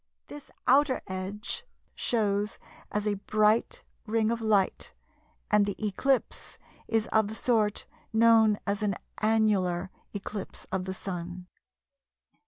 This outer edge shows as a bright ring of light, and the eclipse is of the sort known as an "annular" eclipse of the Sun.